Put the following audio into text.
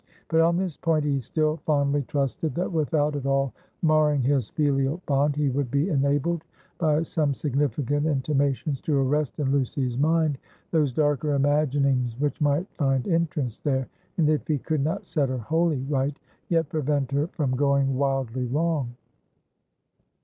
But on this point, he still fondly trusted that without at all marring his filial bond, he would be enabled by some significant intimations to arrest in Lucy's mind those darker imaginings which might find entrance there; and if he could not set her wholly right, yet prevent her from going wildly wrong.